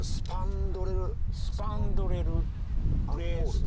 スパンドレルブレースド。